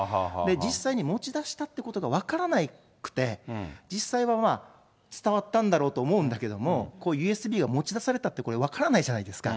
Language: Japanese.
実際に持ち出したっていうことが分からなくて、実際は伝わったんだろうと思うんだけれども、ＵＳＢが持ち出されたって分からないじゃないですか。